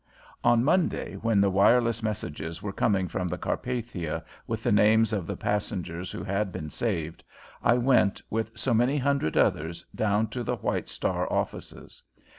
On Monday, when the wireless messages were coming from the Carpathia with the names of the passengers who had been saved, I went, with so many hundred others, down to the White Star offices.